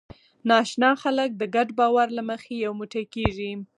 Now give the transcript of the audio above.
ناآشنا خلک د ګډ باور له مخې یو موټی کېږي.